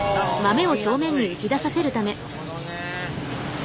なるほどね。